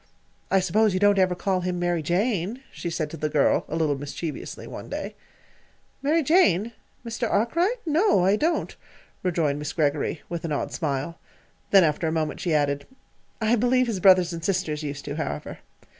"I suppose you don't ever call him 'Mary Jane,'" she said to the girl, a little mischievously, one day. "'Mary Jane'? Mr. Arkwright? No, I don't," rejoined Miss Greggory, with an odd smile. Then, after a moment, she added: "I believe his brothers and sisters used to, however."